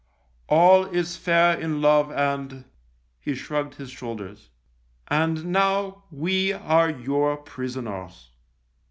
All is fair in love and " He shrugged his shoulders. " And now we are your prisoners."